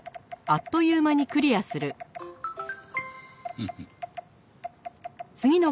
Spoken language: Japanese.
フフッ。